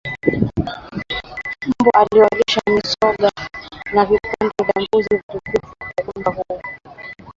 Mbwa wasilishwe mizoga au vipande vya mbuzi aliyekufa kwa ugonjwa huu